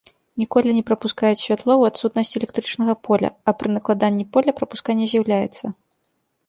Ніколі не прапускаюць святло ў адсутнасць электрычнага поля, а пры накладанні поля прапусканне з'яўляецца.